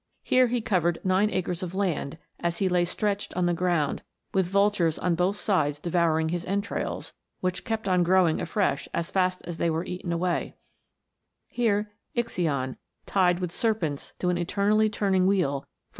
Here he covered nine acres of land, as he lay stretched on the ground, with vultures on both sides devouring his entrails, which kept on growing afresh as fast as they were eaten away ; here lasion, tied with serpents to an eternally turning wheel, for 282 PLUTO S KINGDOM.